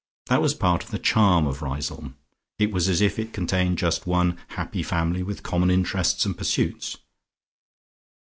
That was part of the charm of Riseholme; it was as if it contained just one happy family with common interests and pursuits.